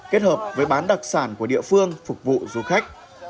kết hợp với bán đặc sản của địa phương phục vụ du khách